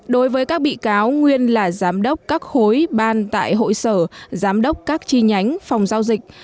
đối với các bị cáo nguyên là giám đốc các khối ban tại hội sở giám đốc các chi nhánh phòng giao dịch